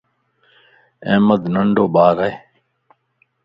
احمد ننڊو ٻار ائي